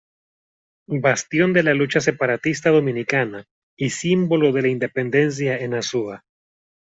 Bastión de la lucha separatista dominicana y símbolo de la Independencia en Azua.